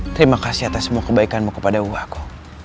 terima kasih atas semua kebaikanmu kepada uwamu